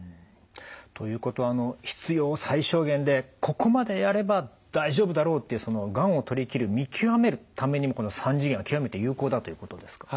ということは必要最小限でここまでやれば大丈夫だろうっていうがんを取りきる見極めるためにもこの３次元は極めて有効だということですか？